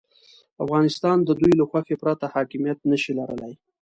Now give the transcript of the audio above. افغانستان د دوی له خوښې پرته حاکمیت نه شي لرلای.